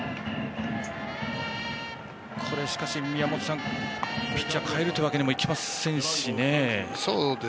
しかし宮本さんピッチャーを代えるわけにもいきませんしね。